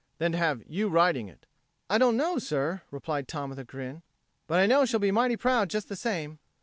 than to have you riding it?" "I don't know, sir," replied Tom, with a grin. "But I know she'll be mighty proud just the same."